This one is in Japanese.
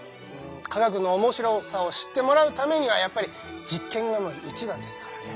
科学の面白さを知ってもらうためにはやっぱり実験が一番ですからね。